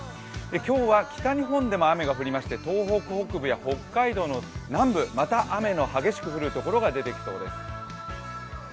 今日は北日本でも雨が降りました東北北部や北海道の南部また雨の激しく降る所が出てきそうです。